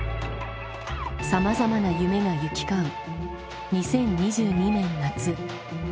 さまざまな夢が行き交う２０２２年夏。